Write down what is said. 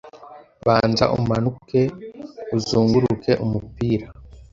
Banza umanuke uzunguruke umupira